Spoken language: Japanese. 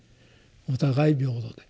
お互い平等で。